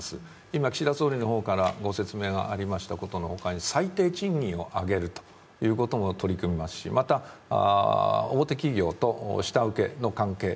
今岸田総理の方からご説明がありましたことのほかに、最低賃金を上げるということも取り組みますしまた、大手企業と下請けの関係